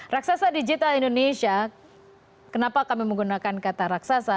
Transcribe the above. raksasa digital indonesia kenapa kami menggunakan kata raksasa